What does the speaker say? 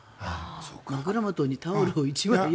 枕元にタオルを１枚。